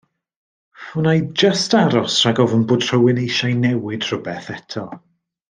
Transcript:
Wna i jyst aros rhag ofn bod rhywun eisiau newid rhywbeth eto.